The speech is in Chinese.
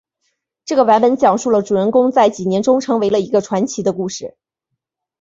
这个版本讲述了主人公在几年中成为了一个传奇的故事。